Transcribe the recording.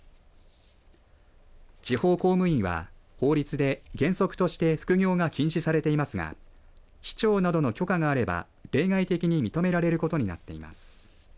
地方公務員は法律で原則として副業が禁止されていますが市長などの許可があれば例外的に認められることになっています。